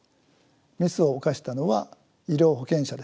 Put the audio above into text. ミスを犯したのは医療保険者です。